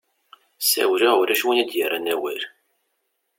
Sawleɣ ulac win iyi-d-yerran awal.